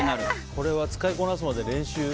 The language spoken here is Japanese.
これは使いこなすまで練習。